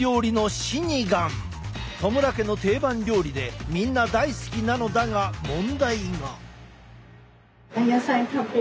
戸村家の定番料理でみんな大好きなのだが問題が。